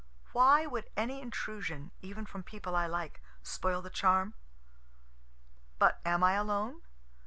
Why would any intrusion, even from people I like, spoil the charm? But am I alone?